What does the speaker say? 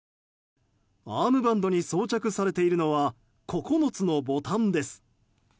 アームバンドに装着されているのは９つのボタンです。